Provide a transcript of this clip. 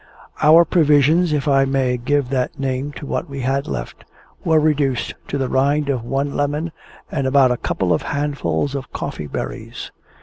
Our provisions if I may give that name to what we had left were reduced to the rind of one lemon and about a couple of handsfull of coffee berries.